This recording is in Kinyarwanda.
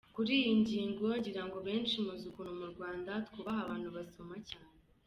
Kuri iyi ngingo, ngirango benshi muzi ukuntu mu Rwanda twubaha abantu basoma cyane.